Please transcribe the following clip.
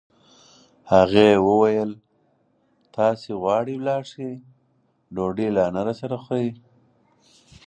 هغې وویل: تاسي غواړئ ولاړ شئ، ډوډۍ لا نه راسره خورئ.